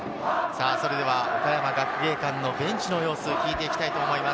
それでは岡山学芸館のベンチの様子を聞いていきたいと思います。